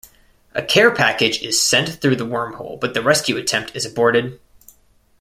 A care package is sent through the wormhole but the rescue attempt is aborted.